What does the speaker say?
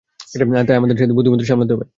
তাই আমাদের তাকে বুদ্ধিমত্তার সাথে সামলাতে হবে।